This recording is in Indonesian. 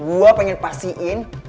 makanya gue pengen pastiin